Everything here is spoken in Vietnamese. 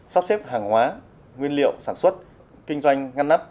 sắp xếp hàng hóa nguyên liệu sản xuất kinh doanh ngăn nắp